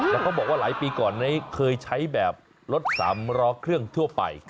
แล้วเขาบอกว่าหลายปีก่อนนี้เคยใช้แบบรถสามล้อเครื่องทั่วไป